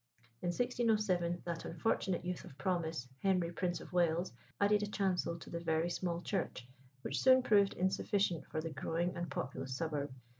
In 1607, that unfortunate youth of promise, Henry Prince of Wales, added a chancel to the very small church, which soon proved insufficient for the growing and populous suburb.